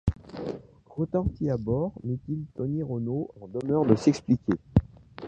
retentit à bord, mit-il Tony Renault en demeure de s’expliquer.